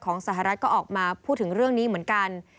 สหรัฐก็ออกมาพูดถึงเรื่องนี้เหมือนกัน